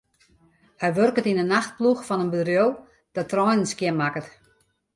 Hy wurket yn 'e nachtploech fan in bedriuw dat treinen skjinmakket.